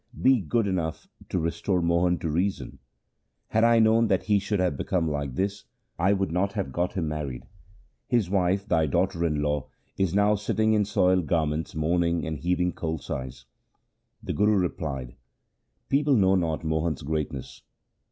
Be good enough to restore Mohan to reason. Had I known that he should have become like this, I would not have got him married. His wife, thy daughter in law, is now sitting in soiled garments mourning and heaving cold sighs.' The Guru replied, People know not Mohan's greatness.